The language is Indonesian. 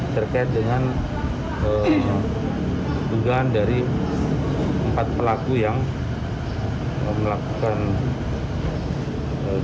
terkait dengan dugaan dari empat pelaku yang melakukan penyelidikan